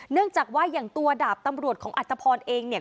เนื่องจากว่าอย่างตัวดาบตำรวจของอัตภพรเองเนี่ย